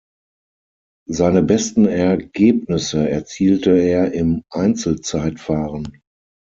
Seine besten Ergebnisse erzielte er im Einzelzeitfahren.